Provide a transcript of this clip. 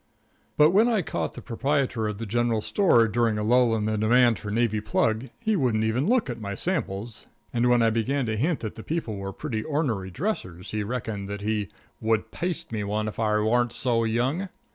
But when I caught the proprietor of the general store during a lull in the demand for navy plug, he wouldn't even look at my samples, and when I began to hint that the people were pretty ornery dressers he reckoned that he "would paste me one if I warn't so young."